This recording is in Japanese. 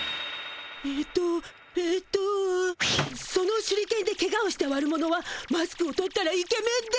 えとえとその手裏剣でケガをした悪者はマスクを取ったらイケメンで。